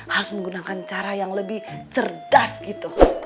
harus menggunakan cara yang lebih cerdas gitu